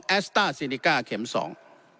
สต้าซีนิก้าเข็มสอง